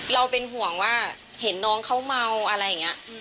เราเป็นห่วงว่าเห็นน้องเขาเมาอะไรอย่างนี้